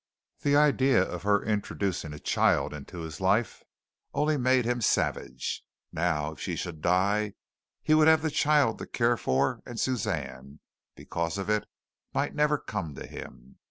The idea of her introducing a child into his life only made him savage. Now, if she should die, he would have the child to care for and Suzanne, because of it, might never come to him.